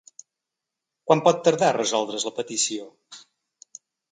Quant pot tardar a resoldre’s la petició?